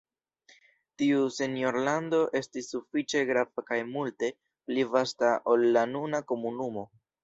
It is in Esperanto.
Tiu senjorlando estis sufiĉe grava kaj multe pli vasta ol la nuna komunumo.